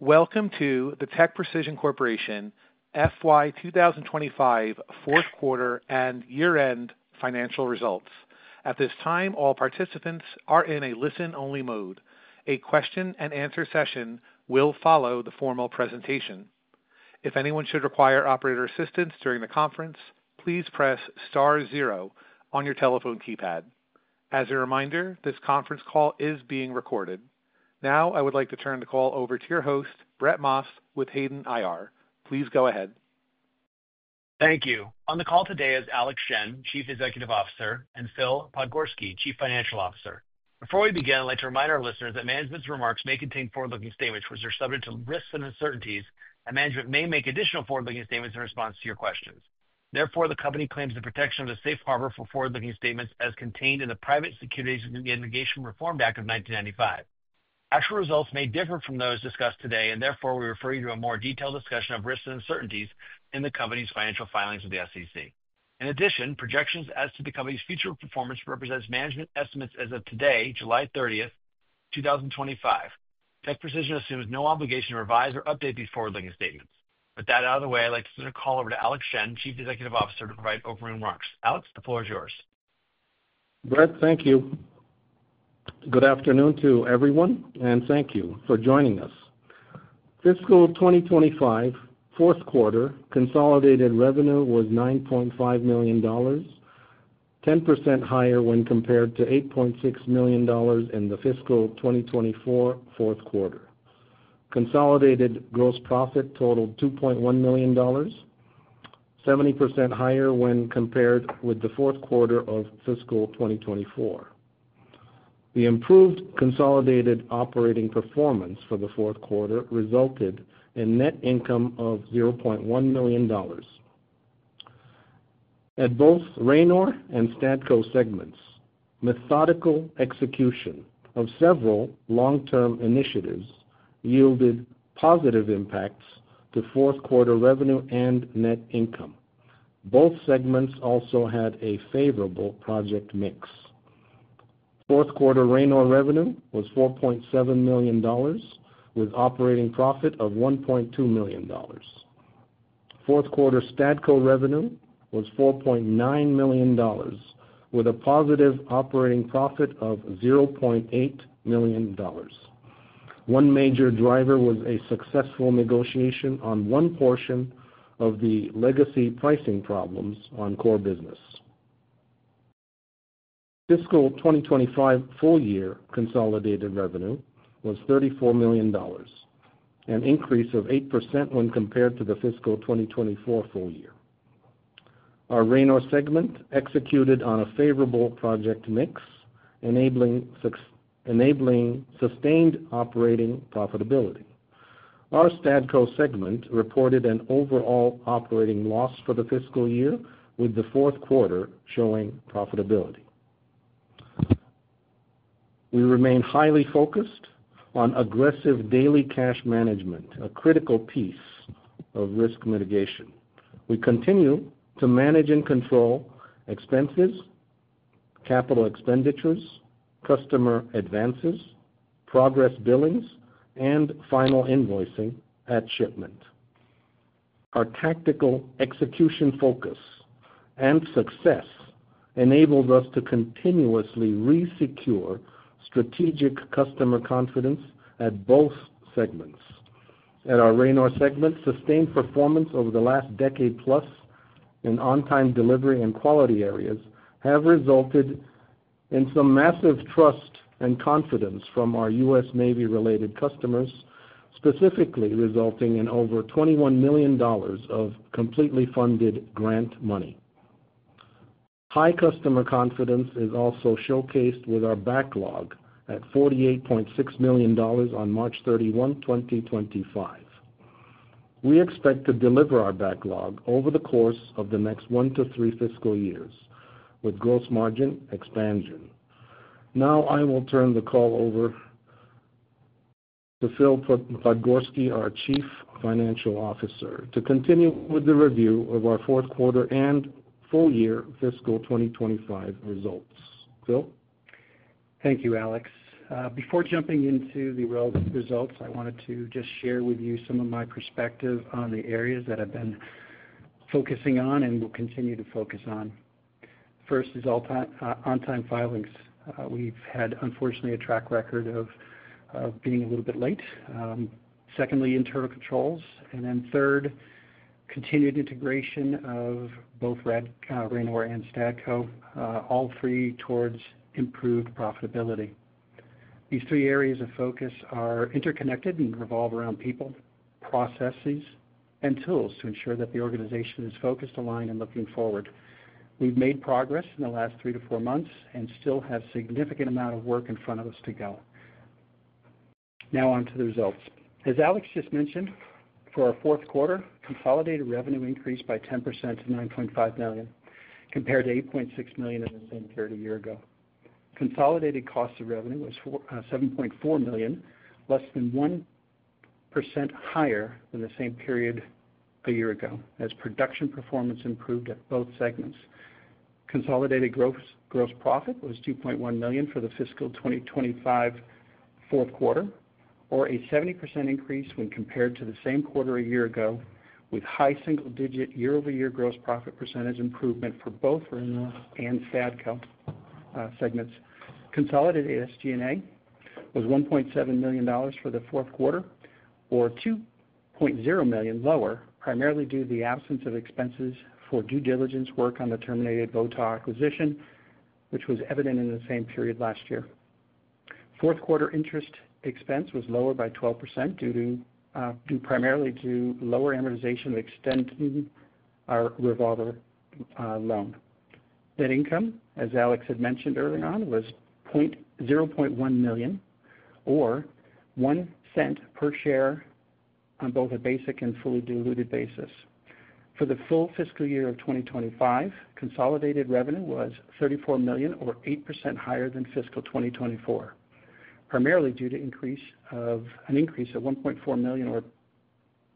Welcome to the TechPrecision Corporation FY 2025 fourth quarter and year-end financial results. At this time, all participants are in a listen-only mode. A question and answer session will follow the formal presentation. If anyone should require operator assistance during the conference, please press star zero on your telephone keypad. As a reminder, this conference call is being recorded. Now, I would like to turn the call over to your host, Brett Maas, with Hayden IR. Please go ahead. Thank you. On the call today is Alex Shen, Chief Executive Officer, and Phillip Podgorski, Chief Financial Officer. Before we begin, I'd like to remind our listeners that management's remarks may contain forward-looking statements which are subject to risks and uncertainties, and management may make additional forward-looking statements in response to your questions. Therefore, the company claims the protection of a safe harbor for forward-looking statements as contained in the Private Securities and Litigation Reform Act of 1995. Actual results may differ from those discussed today, and therefore we refer you to a more detailed discussion of risks and uncertainties in the company's financial filings with the SEC. In addition, projections as to the company's future performance represent management estimates as of today, July 30th, 2025. TechPrecision assumes no obligation to revise or update these forward-looking statements. With that out of the way, I'd like to turn the call over to Alex Shen, Chief Executive Officer, to provide opening remarks. Alex, the floor is yours. Brett, thank you. Good afternoon to everyone, and thank you for joining us. Fiscal 2025 fourth quarter consolidated revenue was $9.5 million, 10% higher when compared to $8.6 million in the fiscal 2024 fourth quarter. Consolidated gross profit totaled $2.1 million, 70% higher when compared with the fourth quarter of fiscal 2024. The improved consolidated operating performance for the fourth quarter resulted in net income of $0.1 million. At both Raynor and Stadco segments, methodical execution of several long-term initiatives yielded positive impacts to fourth quarter revenue and net income. Both segments also had a favorable project mix. Fourth quarter Raynor revenue was $4.7 million, with operating profit of $1.2 million. Fourth quarter Stadco revenue was $4.9 million, with a positive operating profit of $0.8 million. One major driver was a successful negotiation on one portion of the legacy pricing issues on core business. Fiscal 2025 full year consolidated revenue was $34 million, an increase of 8% when compared to the fiscal 2024 full year. Our Raynor segment executed on a favorable project mix, enabling sustained operating profitability. Our Stadco segment reported an overall operating loss for the fiscal year, with the fourth quarter showing profitability. We remain highly focused on aggressive daily cash management, a critical piece of risk mitigation. We continue to manage and control expenses, capital expenditures, customer advances, progress billings, and final invoicing at shipment. Our tactical execution focus and success enabled us to continuously resecure strategic customer confidence at both segments. At our Raynor segment, sustained performance over the last decade plus in on-time delivery and quality areas has resulted in some massive trust and confidence from our U.S. Navy-related customers, specifically resulting in over $21 million of completely funded grant money. High customer confidence is also showcased with our backlog at $48.6 million on March 31, 2025. We expect to deliver our backlog over the course of the next one to three fiscal years with gross margin expansion. Now, I will turn the call over to Phillip Podgorski, our Chief Financial Officer, to continue with the review of our fourth quarter and full year fiscal 2025 results. Phil? Thank you, Alex. Before jumping into the results, I wanted to just share with you some of my perspective on the areas that I've been focusing on and will continue to focus on. First is on-time filings. We've had, unfortunately, a track record of being a little bit late. Secondly, internal controls. Third, continued integration of both Raynor and Stadco, all three towards improved profitability. These three areas of focus are interconnected and revolve around people, processes, and tools to ensure that the organization is focused, aligned, and looking forward. We've made progress in the last three to four months and still have a significant amount of work in front of us to go. Now on to the results. As Alex just mentioned, for our fourth quarter, consolidated revenue increased by 10% to $9.5 million, compared to $8.6 million in the same period a year ago. Consolidated cost of revenue was $7.4 million, less than 1% higher than the same period a year ago, as production performance improved at both segments. Consolidated gross profit was $2.1 million for the fiscal 2025 fourth quarter, or a 70% increase when compared to the same quarter a year ago, with high single-digit year-over-year gross profit percentage improvement for both Raynor and Stadco segments. Consolidated SG&A was $1.7 million for the fourth quarter, or $2.0 million lower, primarily due to the absence of expenses for due diligence work on the terminated Votaw acquisition, which was evident in the same period last year. Fourth quarter interest expense was lower by 12%, primarily due to lower amortization of extending our revolver loan. Net income, as Alex had mentioned early on, was $0.01 million or $0.01 per share on both a basic and fully diluted basis. For the full fiscal year of 2025, consolidated revenue was $34 million, or 8% higher than fiscal 2024, primarily due to an increase of $1.4 million or,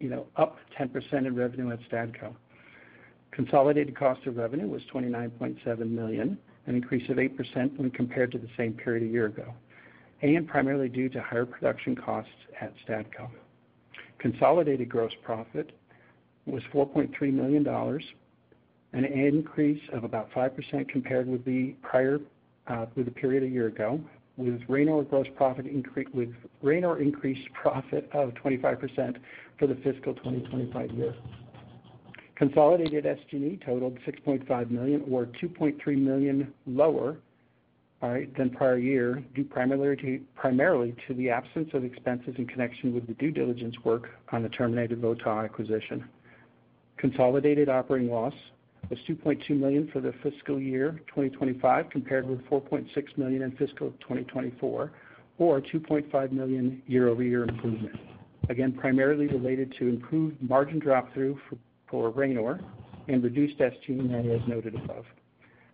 you know, up 10% in revenue at Stadco. Consolidated cost of revenue was $29.7 million, an increase of 8% when compared to the same period a year ago, and primarily due to higher production costs at Stadco. Consolidated gross profit was $4.3 million, an increase of about 5% compared with the higher through the period a year ago, with Raynor increased profit of 25% for the fiscal 2025 year. Consolidated SG&A totaled $6.5 million, or $2.3 million lower than prior year, due primarily to the absence of expenses in connection with the due diligence work on the terminated Votaw acquisition. Consolidated operating loss was $2.2 million for the fiscal year 2025, compared with $4.6 million in fiscal 2024, or $2.5 million year-over-year improvement. Again, primarily related to improved margin drop-through for Raynor and reduced SG&A, as noted above.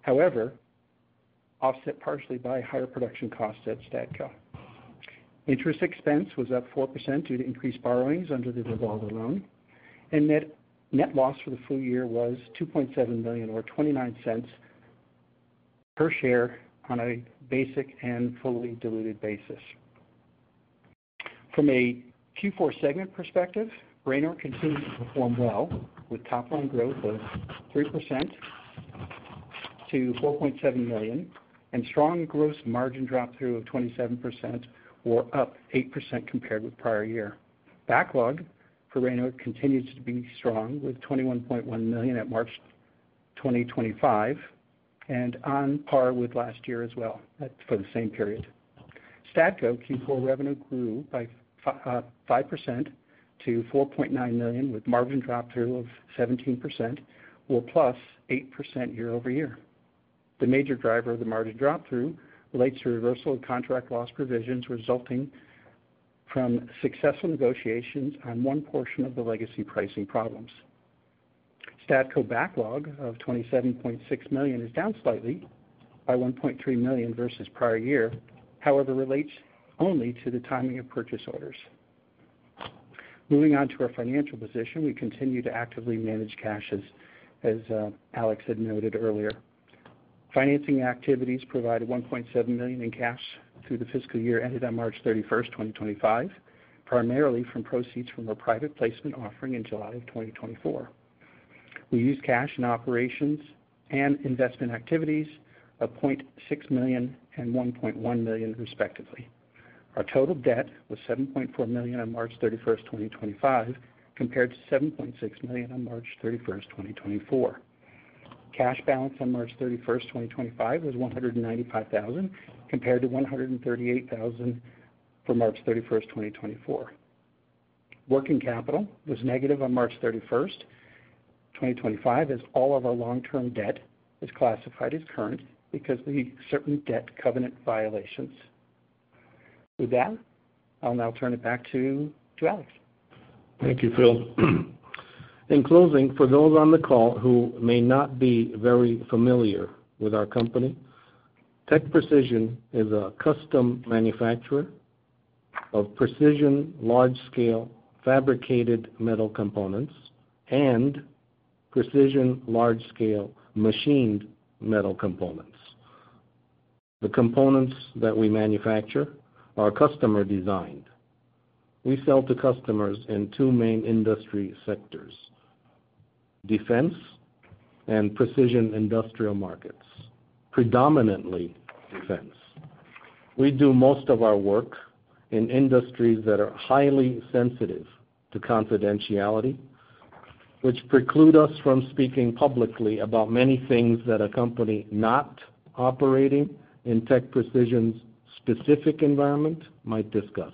However, offset partially by higher production costs at Stadco. Interest expense was up 4% due to increased borrowings under the revolver loan, and net loss for the full year was $2.7 million or $0.29 per share on a basic and fully diluted basis. From a Q4 segment perspective, Raynor continues to perform well, with top line growth of 3% to $4.7 million, and strong gross margin drop-through of 27%, or up 8% compared with prior year. Backlog for Raynor continues to be strong, with $21.1 million at March 2025, and on par with last year as well for the same period. Stadco Q4 revenue grew by 5% to $4.9 million, with margin drop-through of 17%, or +8% year-over-year. The major driver of the margin drop-through relates to reversal of contract loss provisions resulting from successful negotiations on one portion of the legacy pricing issues. Stadco backlog of $27.6 million is down slightly by $1.3 million versus prior year, however, relates only to the timing of purchase orders. Moving on to our financial position, we continue to actively manage cash, as Alex had noted earlier. Financing activities provided $1.7 million in cash through the fiscal year ended on March 31st, 2025, primarily from proceeds from a private placement offering in July of 2024. We used cash in operations and investment activities of $0.6 million and $1.1 million, respectively. Our total debt was $7.4 million on March 31st, 2025, compared to $7.6 million on March 31, 2024. Cash balance on March 31st, 2025 was $195,000, compared to $138,000 for March 31st, 2024. Working capital was negative on March 31st, 2025, as all of our long-term debt is classified as current because of certain debt covenant violations. With that, I'll now turn it back to Alex. Thank you, Phil. In closing, for those on the call who may not be very familiar with our company, TechPrecision is a custom manufacturer of precision large-scale fabricated components and precision large-scale machined metal structural components. The components that we manufacture are customer-designed. We sell to customers in two main industry sectors: defense and precision industrial markets, predominantly defense. We do most of our work in industries that are highly sensitive to confidentiality, which preclude us from speaking publicly about many things that a company not operating in TechPrecision's specific environment might discuss.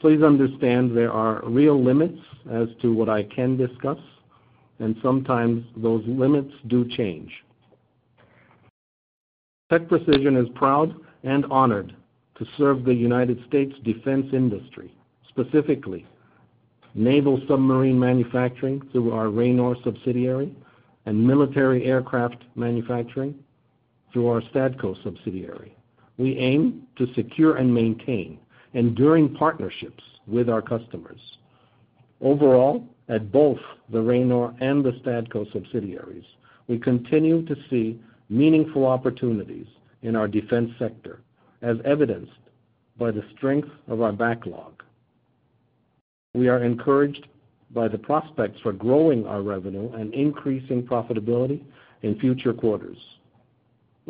Please understand there are real limits as to what I can discuss, and sometimes those limits do change. TechPrecision is proud and honored to serve the U.S. defense industry, specifically naval submarine manufacturing through our Raynor subsidiary and military aircraft manufacturing through our Stadco subsidiary. We aim to secure and maintain enduring partnerships with our customers. Overall, at both the Raynor and the Stadco subsidiaries, we continue to see meaningful opportunities in our defense sector, as evidenced by the strength of our backlog. We are encouraged by the prospects for growing our revenue and increasing profitability in future quarters.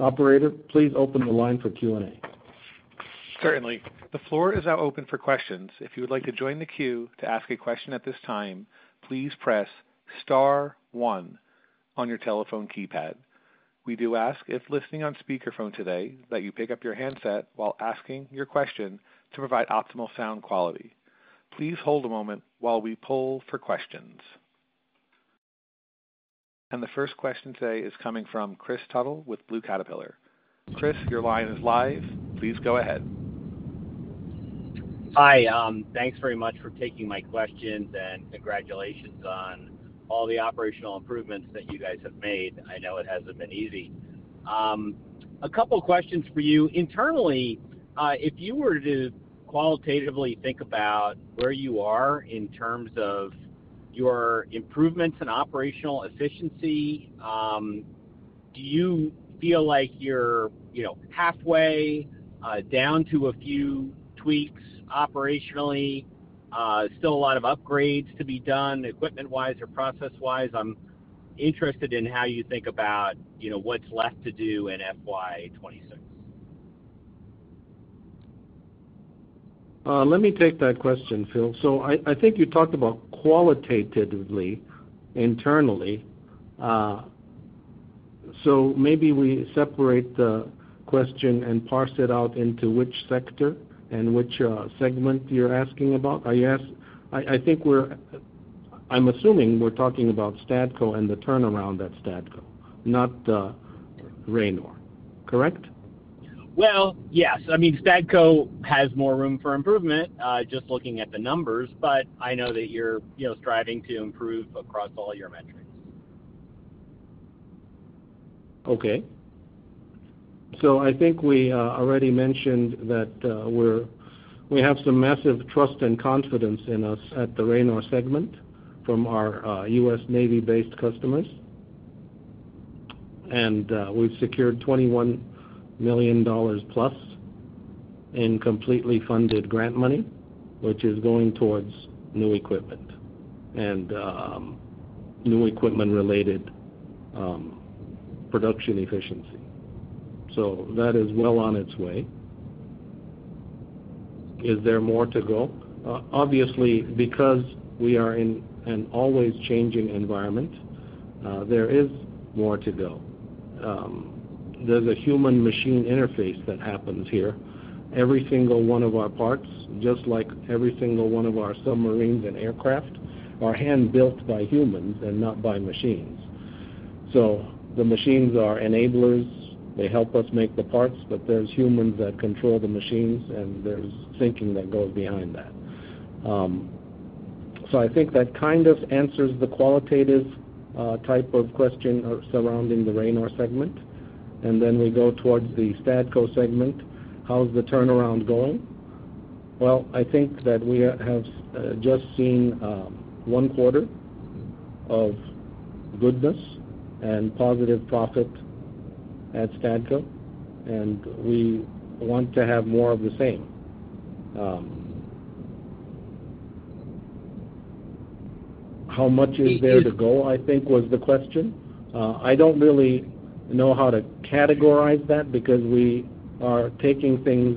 Operator, please open the line for Q&A. Certainly. The floor is now open for questions. If you would like to join the queue to ask a question at this time, please press star one on your telephone keypad. We do ask if listening on speakerphone today that you pick up your handset while asking your question to provide optimal sound quality. Please hold a moment while we pull for questions. The first question today is coming from Chris Tuttle with Blue Caterpillar. Chris, your line is live. Please go ahead. Hi. Thanks very much for taking my questions and congratulations on all the operational improvements that you guys have made. I know it hasn't been easy. A couple of questions for you. Internally, if you were to qualitatively think about where you are in terms of your improvements in operational efficiency, do you feel like you're halfway down to a few tweaks operationally, still a lot of upgrades to be done equipment-wise or process-wise? I'm interested in how you think about what's left to do in FY 2026. Let me take that question, Phil. I think you talked about qualitatively internally. Maybe we separate the question and parse it out into which sector and which segment you're asking about. Are you asked? I think we're, I'm assuming we're talking about Stadco and the turnaround at Stadco, not the Raynor, correct? I mean, Stadco has more room for improvement, just looking at the numbers, but I know that you're striving to improve across all your metrics. Okay. I think we already mentioned that we have some massive trust and confidence in us at the Raynor segment from our U.S. Navy-based customers. We've secured $21+ million in completely funded grant money, which is going towards new equipment and new equipment-related production efficiency. That is well on its way. Is there more to go? Obviously, because we are in an always-changing environment, there is more to go. There's a human-machine interface that happens here. Every single one of our parts, just like every single one of our submarines and aircraft, are hand-built by humans and not by machines. The machines are enablers. They help us make the parts, but there's humans that control the machines, and there's thinking that goes behind that. I think that kind of answers the qualitative type of question surrounding the Raynor segment. We go towards the Stadco segment. How's the turnaround going? I think that we have just seen one quarter of goodness and positive profit at Stadco, and we want to have more of the same. How much is there to go, I think, was the question. I don't really know how to categorize that because we are taking things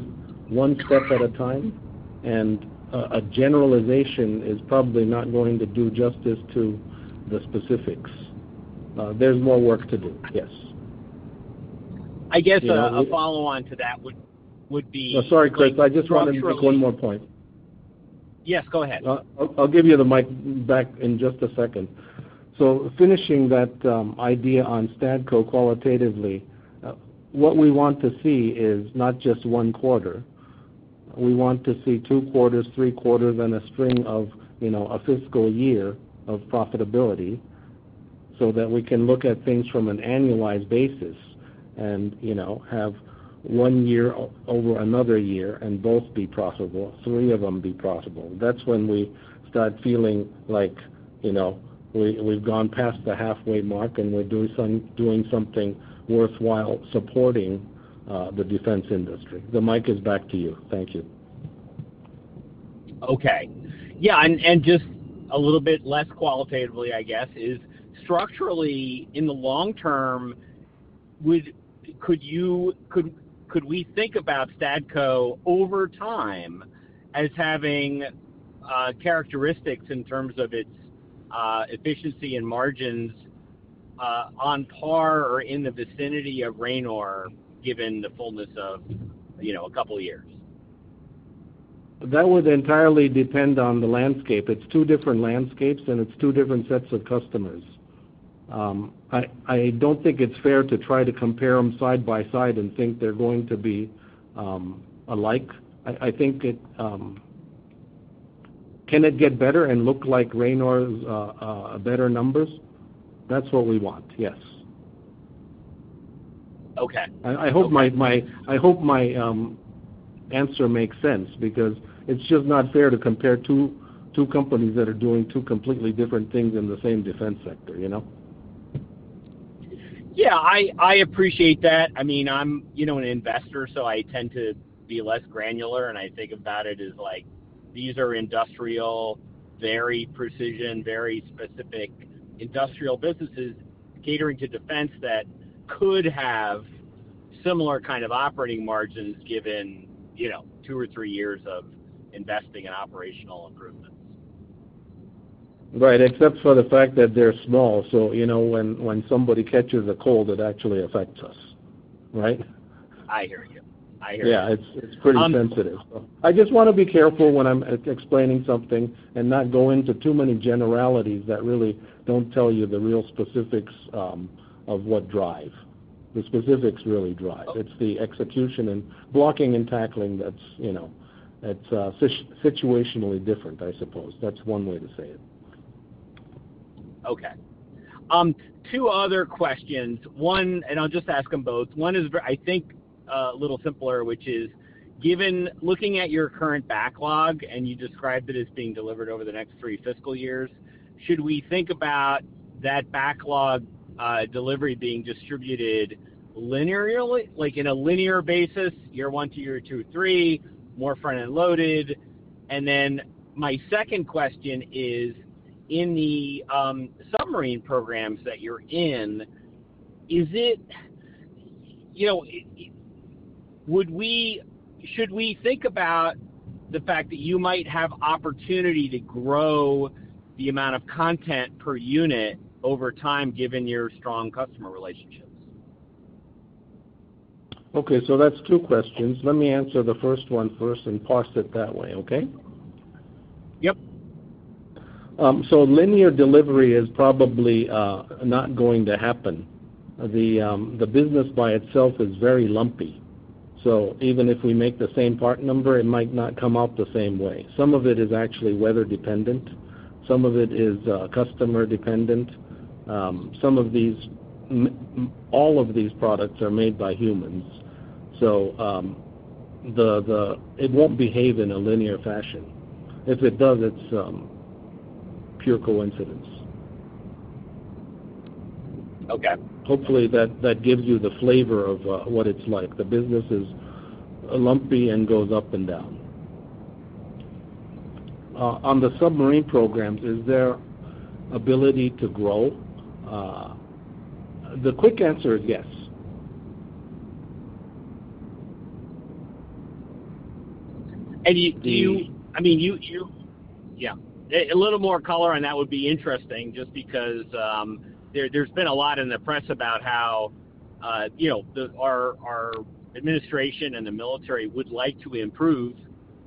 one step at a time, and a generalization is probably not going to do justice to the specifics. There's more work to do, yes. I guess a follow-on to that would be. Sorry, Chris. I just wanted to pick one more point. Yes, go ahead. I'll give you the mic back in just a second. Finishing that idea on Stadco qualitatively, what we want to see is not just one quarter. We want to see two quarters, three quarters, and a string of, you know, a fiscal year of profitability so that we can look at things from an annualized basis and, you know, have one year over another year and both be profitable, three of them be profitable. That's when we start feeling like, you know, we've gone past the halfway mark and we're doing something worthwhile supporting the defense industry. The mic is back to you. Thank you. Okay. Yeah. Just a little bit less qualitatively, I guess, is structurally, in the long term, could we think about Stadco over time as having characteristics in terms of its efficiency and margins on par or in the vicinity of Raynor, given the fullness of, you know, a couple of years? That would entirely depend on the landscape. It's two different landscapes, and it's two different sets of customers. I don't think it's fair to try to compare them side by side and think they're going to be alike. I think it can get better and look like Raynor's better numbers. That's what we want, yes. Okay. I hope my answer makes sense because it's just not fair to compare two companies that are doing two completely different things in the same defense sector, you know? I appreciate that. I mean, I'm an investor, so I tend to be less granular, and I think about it as like these are industrial, very precision, very specific industrial businesses catering to defense that could have similar kind of operating margins given, you know, two or three years of investing in operational improvement. Right, except for the fact that they're small. You know, when somebody catches a cold, it actually affects us, right? I hear you. I hear you. Yeah, it's pretty sensitive. I just want to be careful when I'm explaining something and not go into too many generalities that really don't tell you the real specifics of what drives. The specifics really drive. It's the execution and blocking and tackling that's situationally different, I suppose. That's one way to say it. Okay. Two other questions. One, and I'll just ask them both. One is, I think, a little simpler, which is, given looking at your current backlog, and you described it as being delivered over the next three fiscal years, should we think about that backlog delivery being distributed linearly, like in a linear basis, year one to year two, three, more front-end loaded? My second question is, in the submarine programs that you're in, is it, you know, would we, should we think about the fact that you might have opportunity to grow the amount of content per unit over time given your strong customer relationships? Okay, that's two questions. Let me answer the first one first and parse it that way, okay? Yep. Linear delivery is probably not going to happen. The business by itself is very lumpy. Even if we make the same part number, it might not come out the same way. Some of it is actually weather-dependent, some of it is customer-dependent. All of these products are made by humans, so it won't behave in a linear fashion. If it does, it's pure coincidence. Okay. Hopefully, that gives you the flavor of what it's like. The business is lumpy and goes up and down. On the submarine programs, is there ability to grow? The quick answer is yes. Yeah, a little more color, and that would be interesting just because there's been a lot in the press about how, you know, our administration and the military would like to improve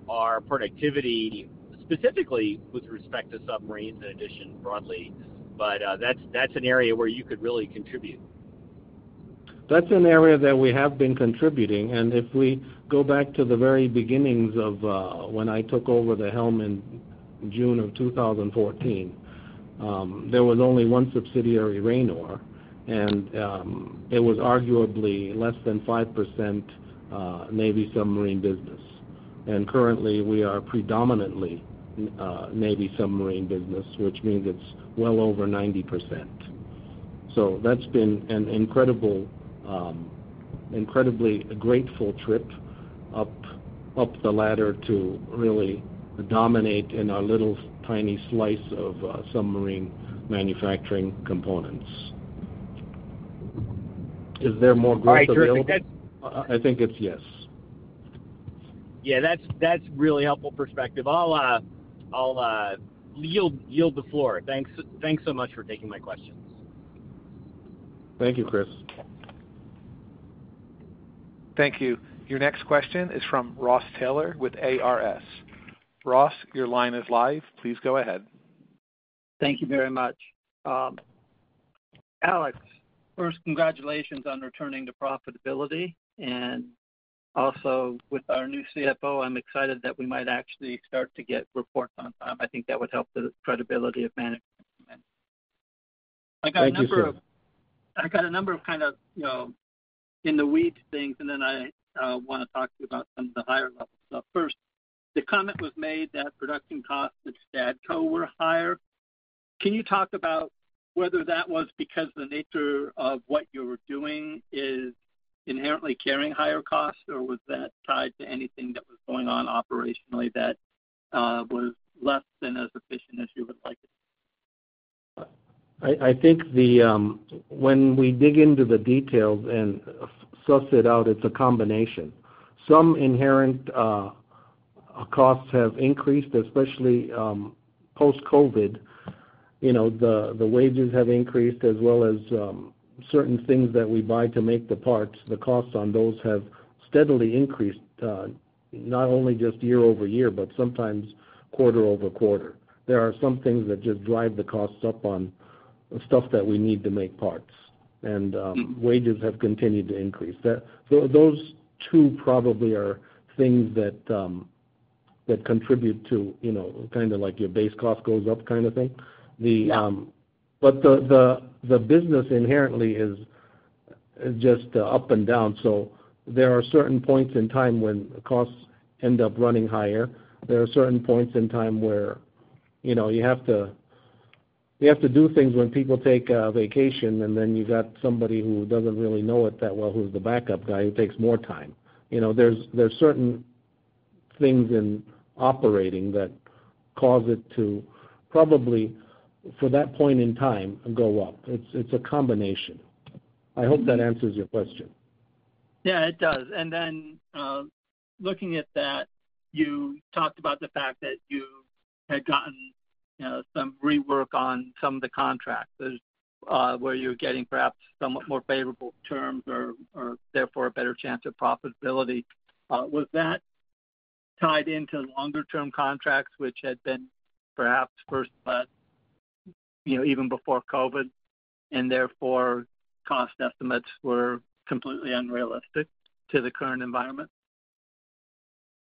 our productivity, specifically with respect to submarines in addition broadly. That's an area where you could really contribute. That's an area that we have been contributing. If we go back to the very beginnings of when I took over the helm in June of 2014, there was only one subsidiary, Raynor, and it was arguably less than 5% Navy submarine business. Currently, we are predominantly Navy submarine business, which means it's well over 90%. That's been an incredibly grateful trip up the ladder to really dominate in our little tiny slice of submarine manufacturing components. Is there more growth to grow? I think it's yes. Yeah, that's a really helpful perspective. I'll yield the floor. Thanks so much for taking my question. Thank you, Chris. Thank you. Your next question is from Ross Taylor with ARS. Ross, your line is live. Please go ahead. Thank you very much. Alex, first, congratulations on returning to profitability. Also, with our new CFO, I'm excited that we might actually start to get reports on time. I think that would help the credibility of management. I got a number of, you know, in the weeds things, and then I want to talk to you about some of the higher-level stuff. First, the comment was made that production costs at Stadco were higher. Can you talk about whether that was because the nature of what you were doing is inherently carrying higher costs, or was that tied to anything that was going on operationally that was less than as efficient as you would like it to be? When we dig into the details and suss it out, it's a combination. Some inherent costs have increased, especially post-COVID. You know, the wages have increased as well as certain things that we buy to make the parts. The costs on those have steadily increased, not only just year-over-year, but sometimes quarter-over-quarter. There are some things that just drive the costs up on stuff that we need to make parts, and wages have continued to increase. Those two probably are things that contribute to, you know, kind of like your base cost goes up kind of thing. The business inherently is just up and down. There are certain points in time when the costs end up running higher. There are certain points in time where you have to do things when people take a vacation, and then you've got somebody who doesn't really know it that well, who's the backup guy who takes more time. There are certain things in operating that cause it to probably, for that point in time, go up. It's a combination. I hope that answers your question. Yeah, it does. Looking at that, you talked about the fact that you had gotten some rework on some of the contracts where you're getting perhaps somewhat more favorable terms or therefore a better chance of profitability. Was that tied into longer-term contracts, which had been perhaps first even before COVID, and therefore cost estimates were completely unrealistic to the current environment?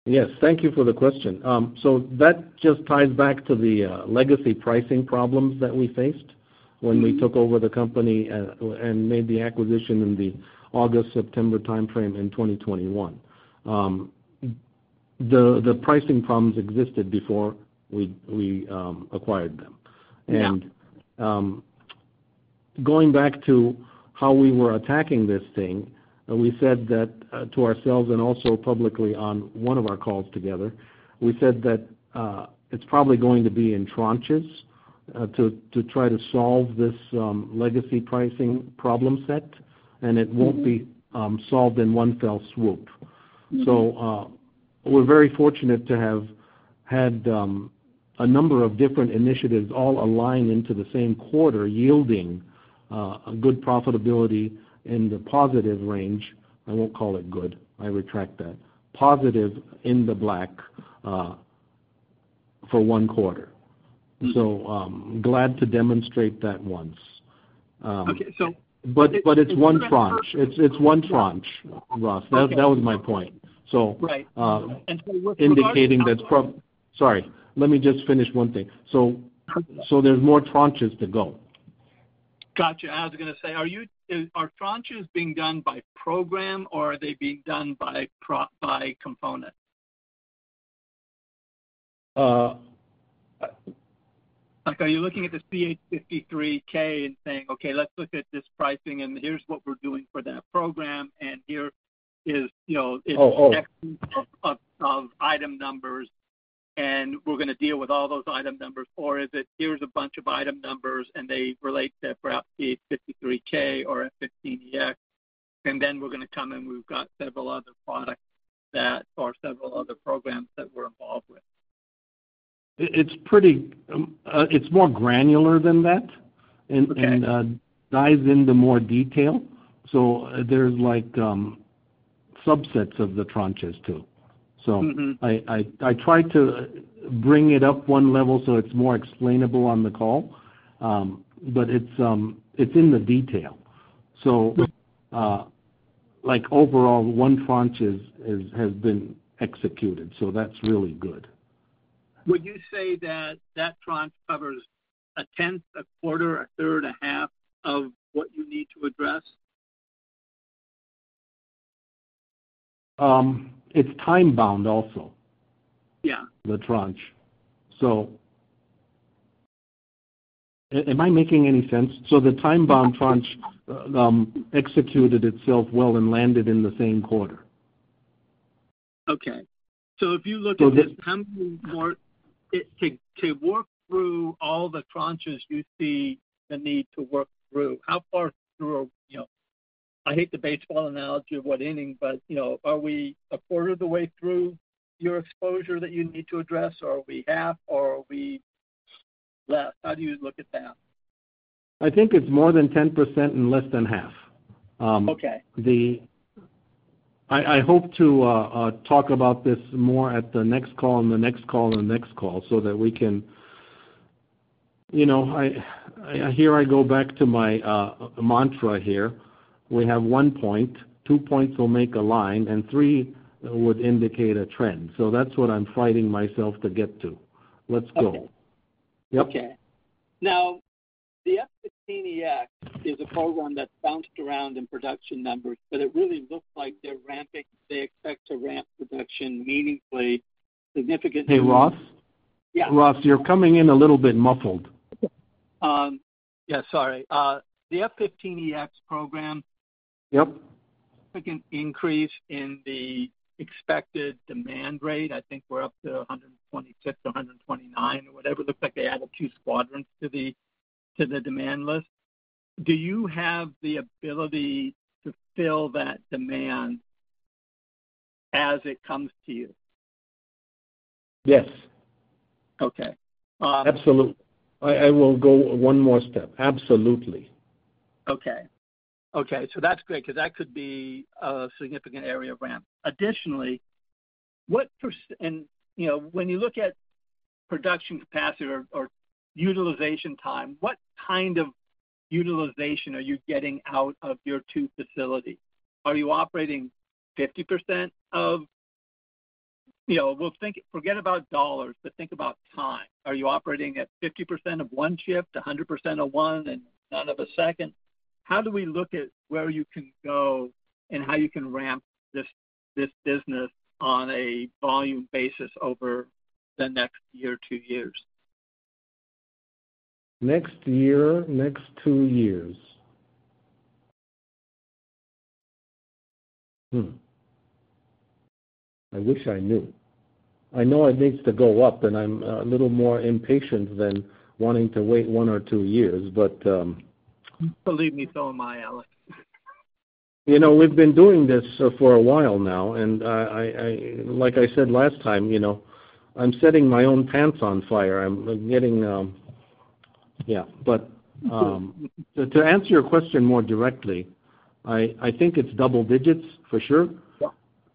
Yes. Thank you for the question. That just ties back to the legacy pricing problems that we faced when we took over the company and made the acquisition in the August-September timeframe in 2021. The pricing problems existed before we acquired them. Going back to how we were attacking this thing, we said to ourselves and also publicly on one of our calls together, we said that it's probably going to be in tranches to try to solve this legacy pricing problem set, and it won't be solved in one fell swoop. We are very fortunate to have had a number of different initiatives all align into the same quarter, yielding a good profitability in the positive range. I won't call it good. I retract that. Positive in the black for one quarter. I'm glad to demonstrate that once. Okay, so. It's one tranche, Ross. That was my point. Right. So. Sorry, let me just finish one thing. There's more tranches to go. Gotcha. I was going to say, are tranches being done by program, or are they being done by component? Like, are you looking at the CH-53K and saying, "Okay, let's look at this pricing, and here's what we're doing for that program, and here is, you know, it's a whole bunch of item numbers, and we're going to deal with all those item numbers," or is it, "Here's a bunch of item numbers, and they relate to perhaps CH-53K or F-15EX, and then we're going to come and we've got several other products or several other programs that we're involved with"? It's more granular than that and dives into more detail. There's like subsets of the tranches too. I try to bring it up one level so it's more explainable on the call, but it's in the detail. Overall, one tranche has been executed. That's really good. Would you say that that tranche covers a 10th, a quarter, a third, a half of what you need to address? It's time-bound also. Yeah. The tranche executed itself well and landed in the same quarter. Am I making any sense? If you look at this, how many more to work through all the tranches do you see the need to work through? How far through, you know, I hate the baseball analogy of what inning, but are we a quarter of the way through your exposure that you need to address, or are we half, or are we left? How do you look at that? I think it's more than 10% and less than half. Okay. I hope to talk about this more at the next call and the next call and the next call so that we can, you know, here I go back to my mantra. We have one point. Two points will make a line, and three would indicate a trend. That's what I'm fighting myself to get to. Let's go. Okay. Yep. Okay. Now, the F-15EX is a program that bounced around in production numbers, but it really looks like they're ramping. They expect to ramp production meaningfully, significantly. Hey, Ross. Yeah. Ross, you're coming in a little bit muffled. Yeah, sorry. The F-15EX program. Yep. Significant increase in the expected demand rate. I think we're up to 125-129 or whatever. It looks like they added two squadrons to the demand list. Do you have the ability to fill that demand as it comes to you? Yes. Okay. Absolutely. I will go one more step. Absolutely. Okay, that's great because that could be a significant area of ramp. Additionally, what percent, and you know, when you look at production capacity or utilization time, what kind of utilization are you getting out of your two facilities? Are you operating 50% of, you know, we'll think, forget about dollars, but think about time. Are you operating at 50% of one ship to 100% of one and none of a second? How do we look at where you can go and how you can ramp this business on a volume basis over the next year or two years? Next year, next two years. I wish I knew. I know it needs to go up, and I'm a little more impatient than wanting to wait one or two years. Believe me, so am I, Alex. We've been doing this for a while now, and like I said last time, I'm setting my own pants on fire. I'm getting, yeah. To answer your question more directly, I think it's double digits for sure.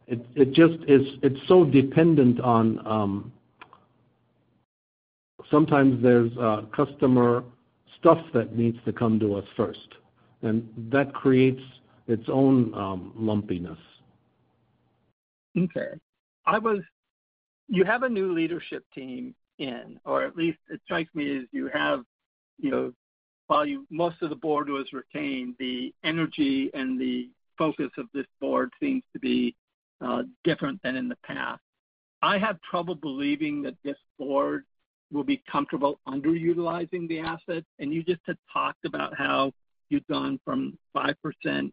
It is so dependent on sometimes there's customer stuff that needs to come to us first, and that creates its own lumpiness. Okay. You have a new leadership team in, or at least it strikes me as you have, you know, while most of the board was retained, the energy and the focus of this board seems to be different than in the past. I have trouble believing that this board will be comfortable underutilizing the assets. You just had talked about how you'd gone from 5%,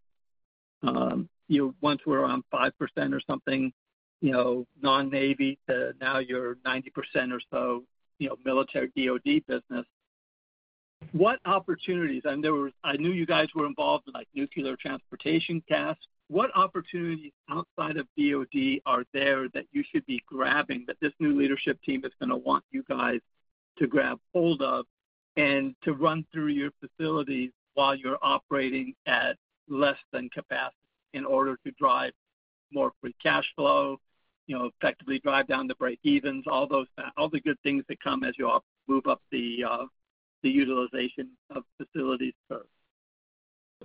you once were around 5% or something, you know, non-Navy to now you're 90% or so, you know, military DOD business. What opportunities, and there were, I knew you guys were involved in like nuclear transportation tasks. What opportunities outside of DOD are there that you should be grabbing that this new leadership team is going to want you guys to grab hold of and to run through your facilities while you're operating at less than capacity in order to drive more free cash flow, effectively drive down the break-evens, all those things, all the good things that come as you move up the utilization of facilities first?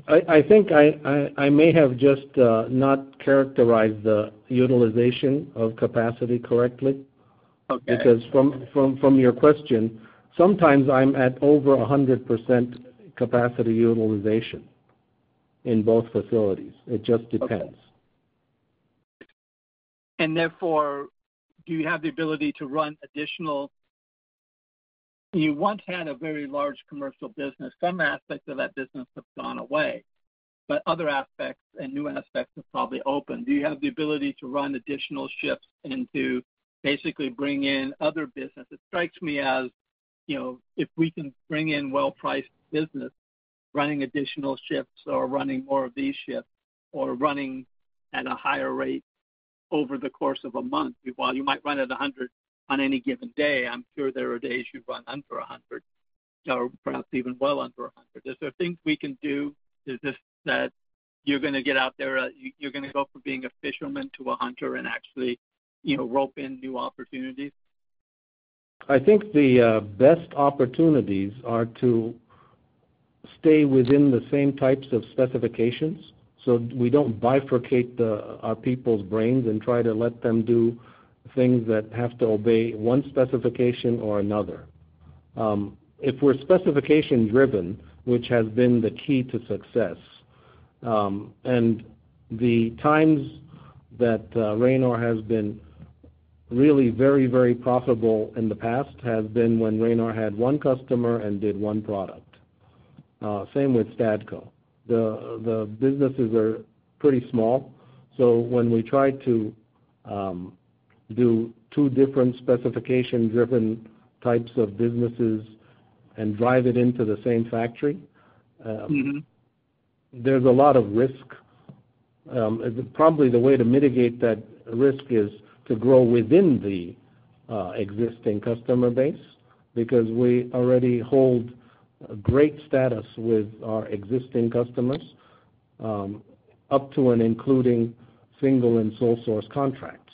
I think I may have just not characterized the utilization of capacity correctly. Because from your question, sometimes I'm at over 100% capacity utilization in both facilities. It just depends. Do you have the ability to run additional, you once had a very large commercial business. Some aspects of that business have gone away, but other aspects and new aspects have probably opened. Do you have the ability to run additional shifts to basically bring in other business? It strikes me as, you know, if we can bring in well-priced business, running additional shifts or running more of these shifts or running at a higher rate over the course of a month. While you might run at 100 on any given day, I'm sure there are days you run under 100 or perhaps even well under 100. Is there things we can do? Is this that you're going to get out there, you're going to go from being a fisherman to a hunter and actually, you know, rope in new opportunities? I think the best opportunities are to stay within the same types of specifications so we don't bifurcate our people's brains and try to let them do things that have to obey one specification or another. If we're specification-driven, which has been the key to success, and the times that Raynor has been really very, very profitable in the past have been when Raynor had one customer and did one product. Same with Stadco. The businesses are pretty small. When we try to do two different specification-driven types of businesses and drive it into the same factory, there's a lot of risk. Probably the way to mitigate that risk is to grow within the existing customer base because we already hold great status with our existing customers up to and including single and sole source contracts.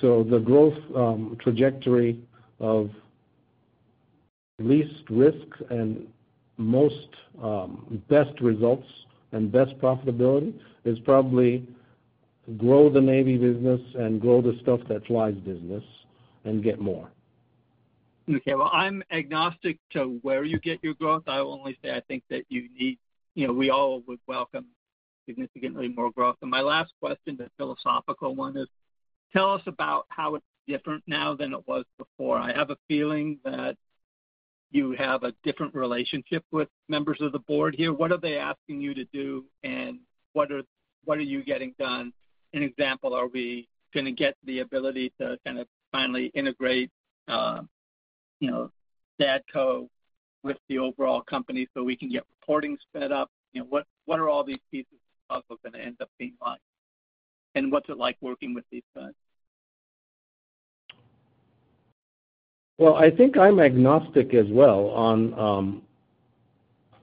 The growth trajectory of least risk and most best results and best profitability is probably grow the Navy business and grow the stuff that flies business and get more. Okay. I'm agnostic to where you get your growth. I'll only say I think that you need, you know, we all would welcome significantly more growth. My last question, the philosophical one, is tell us about how it's different now than it was before. I have a feeling that you have a different relationship with members of the board here. What are they asking you to do, and what are you getting done? For example, are we going to get the ability to finally integrate, you know, Stadco with the overall company so we can get reporting sped up? What are all these pieces of the puzzle going to end up being like, and what's it like working with these guys? I think I'm agnostic as well on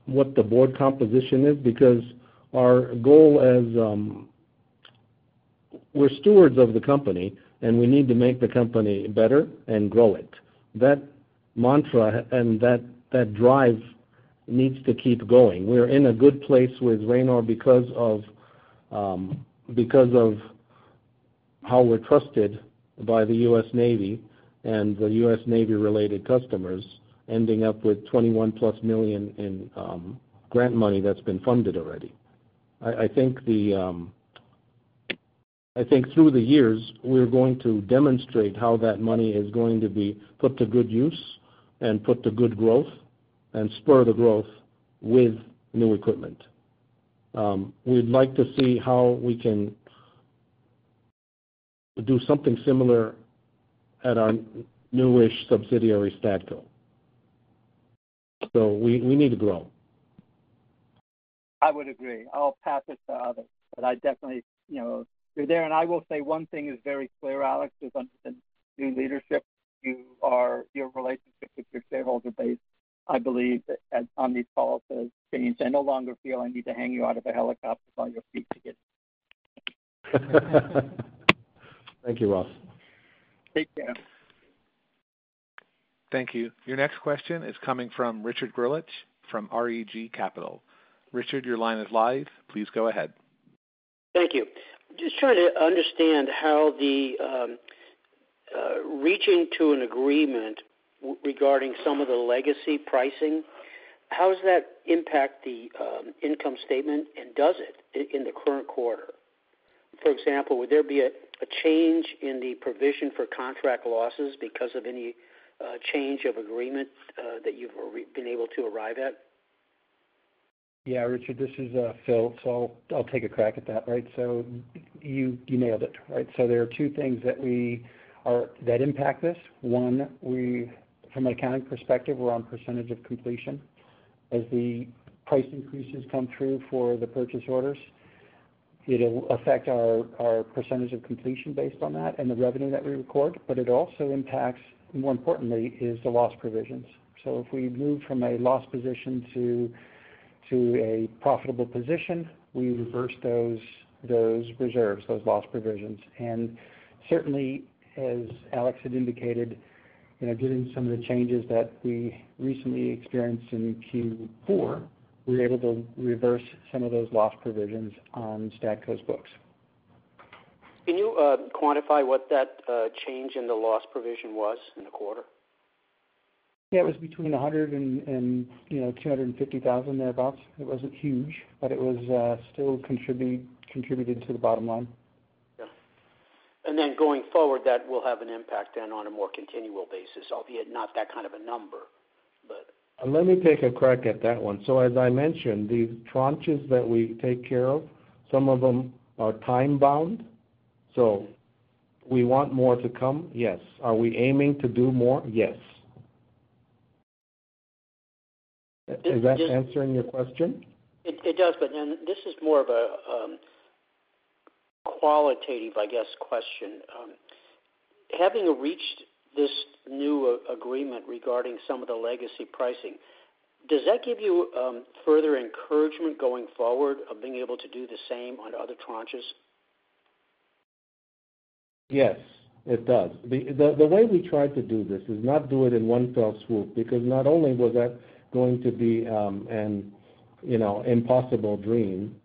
what the board composition is because our goal is we're stewards of the company, and we need to make the company better and grow it. That mantra and that drive needs to keep going. We're in a good place with Raynor because of how we're trusted by the U.S. Navy and the U.S. Navy-related customers, ending up with $21+ million in grant money that's been funded already. I think through the years, we're going to demonstrate how that money is going to be put to good use and put to good growth and spur the growth with new equipment. We'd like to see how we can do something similar at our newish subsidiary Stadco. We need to grow. I would agree. I'll pass it to others, but I definitely, you know, you're there. I will say one thing is very clear, Alex, is under the new leadership, your relationship with your shareholder base. I believe that as on these calls that have changed, I no longer feel I need to hang you out of a helicopter by your feet to get you. Thank you, Ross. Take care. Thank you. Your next question is coming from Richard Greulich from REG Capital. Richard, your line is live. Please go ahead. Thank you. Just trying to understand how the reaching to an agreement regarding some of the legacy pricing, how does that impact the income statement, and does it in the current quarter? For example, would there be a change in the provision for contract losses because of any change of agreement that you've been able to arrive at? Yeah, Richard, this is Phil. I'll take a crack at that, right? You nailed it, right? There are two things that impact this. One, from an accounting perspective, we're on percentage of completion. As the price increases come through for the purchase orders, it'll affect our percentage of completion based on that and the revenue that we record. It also impacts, more importantly, the loss provisions. If we move from a loss position to a profitable position, we reverse those reserves, those loss provisions. Certainly, as Alex had indicated, given some of the changes that we recently experienced in Q4, we were able to reverse some of those loss provisions on Stadco's books. Can you quantify what that change in the loss provision was in a quarter? Yeah, it was between $100,000 and, you know, $250,000 thereabouts. It wasn't huge, but it still contributed to the bottom line. That will have an impact then on a more continual basis, albeit not that kind of a number. Let me take a crack at that one. As I mentioned, the tranches that we take care of, some of them are time-bound. We want more to come, yes. Are we aiming to do more? Yes. Is that answering your question? It does, this is more of a qualitative, I guess, question. Having reached this new agreement regarding some of the legacy pricing, does that give you further encouragement going forward of being able to do the same on other tranches? Yes, it does. The way we tried to do this is not to do it in one fell swoop because not only was that going to be an impossible dream,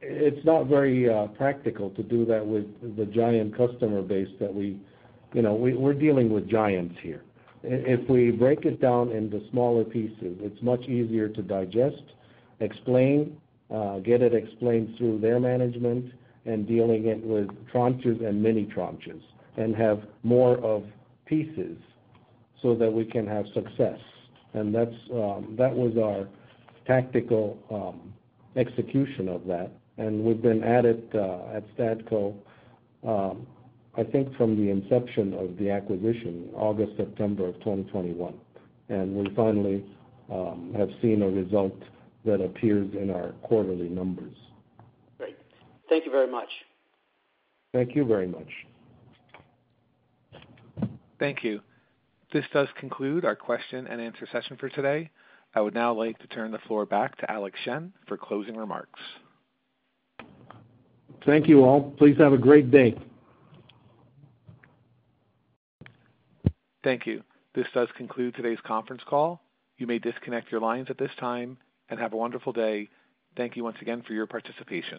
it's not very practical to do that with the giant customer base that we, you know, we're dealing with giants here. If we break it down into smaller pieces, it's much easier to digest, explain, get it explained through their management, and deal with tranches and mini-tranches and have more pieces so that we can have success. That was our tactical execution of that. We've been at it at Stadco, I think, from the inception of the acquisition, August, September of 2021, and we finally have seen a result that appears in our quarterly numbers. Great. Thank you very much. Thank you very much. Thank you. This does conclude our question and answer session for today. I would now like to turn the floor back to Alex Shen for closing remarks. Thank you all. Please have a great day. Thank you. This does conclude today's conference call. You may disconnect your lines at this time and have a wonderful day. Thank you once again for your participation.